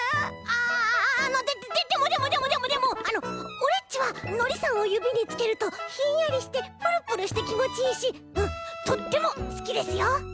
あああのでもでもでもでもでもオレっちはのりさんをゆびにつけるとひんやりしてプルプルしてきもちいいしとってもすきですよ！